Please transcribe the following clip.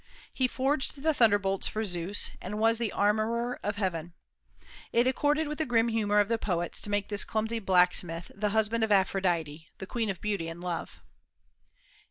He forged the thunderbolts for Zeus, and was the armorer of heaven. It accorded with the grim humor of the poets to make this clumsy blacksmith the husband of Aphrodite, the queen of beauty and of love.